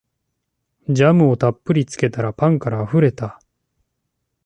ジャムをたっぷりつけたらパンからあふれた